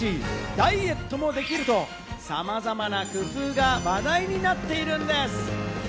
ダイエットもできると、さまざまな工夫が話題になっているんです！